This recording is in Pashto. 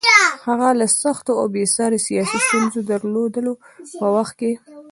هغه له سختو او بې ساري سیاسي ستونزو درلودلو په وخت کې.